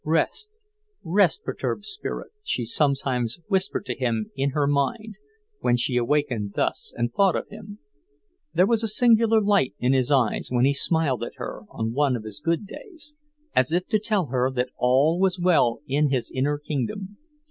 "Rest, rest, perturbed spirit," she sometimes whispered to him in her mind, when she wakened thus and thought of him. There was a singular light in his eyes when he smiled at her on one of his good days, as if to tell her that all was well in his inner kingdom.